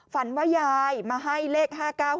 ฝันว่ายายมาให้เลข๕๙๖